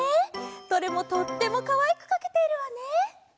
どれもとってもかわいくかけているわね！